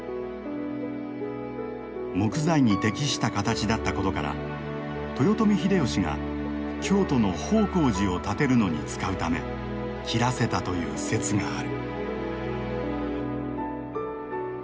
木材に適した形だったことから豊臣秀吉が京都の方広寺を建てるのに使うため切らせたという説がある。